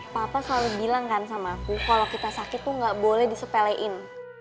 papa selalu bilang kan sama aku kalau kita sakit tuh gak boleh disepelein